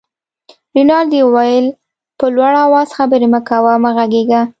رینالډي وویل: په لوړ آواز خبرې مه کوه، مه غږېږه.